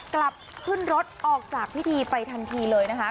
กลับขึ้นรถออกจากพิธีไปทันทีเลยนะคะ